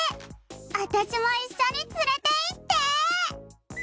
あたしもいっしょにつれていって！